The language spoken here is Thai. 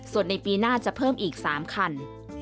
ส่วนในปีหน้าจะเพิ่มอีก๓คัน